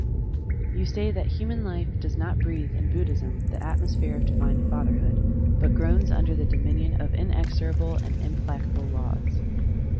You say that "human life does not breathe, in Buddhism, the atmosphere of divine father hood, but groans under the dominion of inex orable and implacable laws.